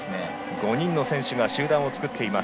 ５人の選手が集団を作っています。